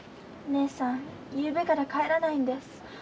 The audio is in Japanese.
姉さんゆうべから帰らないんです。